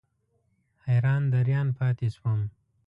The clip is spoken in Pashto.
حیران دریان پاتې شوم.